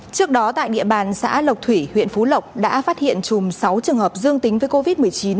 trước đó tại địa bàn xã lộc thủy huyện phú lộc đã phát hiện chùm sáu trường hợp dương tính với covid một mươi chín